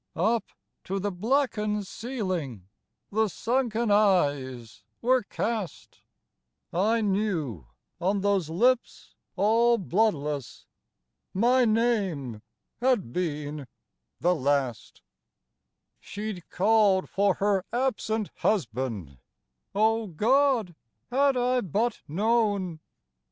" Up to the blackened ceiling The sunken eyes were cast — I knew on those lips all bloodless My name had been the last ; She 'd called for her absent husband — O Grod ! had I but known